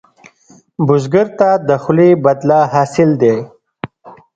بزګر ته د خولې بدله حاصل دی